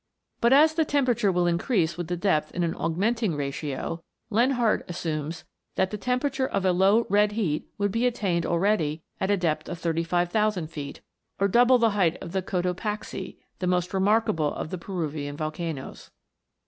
But as the temperature will increase with the depth in an aug menting ratio, Leonhard assumes that the tempera ture of a low red heat would be attained already at a depth of 35,000 feet, or double the height of Cotopaxi, the most remarkable of the Peruvian volcanoes.